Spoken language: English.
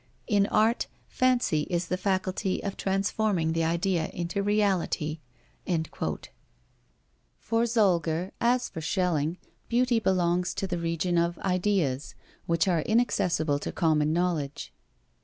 In art, fancy is the faculty of transforming the idea into reality." For Solger as for Schelling, beauty belongs to the region of Ideas, which are inaccessible to common knowledge.